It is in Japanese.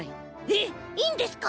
えっいいんですか？